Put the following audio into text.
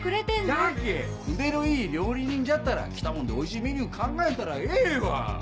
じゃけぇ腕のいい料理人じゃったら来たもんでおいしいメニュー考えたらええわ！